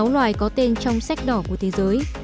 một trăm linh sáu loài có tên trong sách đỏ của thế giới